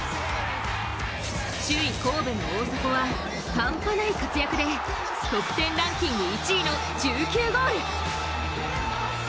首位・神戸の大迫は、半端ない活躍で得点ランキング１位の１９ゴール！